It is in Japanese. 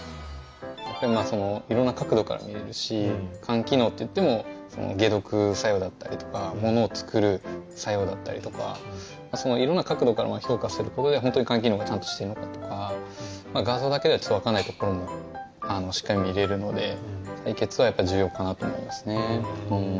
色んな角度から見れるし肝機能っていっても解毒作用だったりとかものを作る作用だったりとか色んな角度から評価することで本当に肝機能がちゃんとしてるのかとか画像だけではわからないところもしっかり見れるので採血は重要かなと思いますね。